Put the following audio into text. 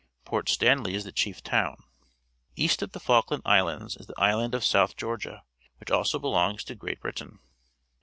Port Stanley is the chief town. East of the Falkland Islands is the island of South Georgia, which also belongs to Great Britain.